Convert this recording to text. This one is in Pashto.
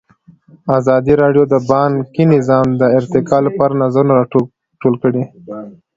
ازادي راډیو د بانکي نظام د ارتقا لپاره نظرونه راټول کړي.